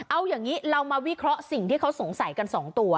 เอาอย่างนี้เรามาวิเคราะห์สิ่งที่เขาสงสัยกัน๒ตัว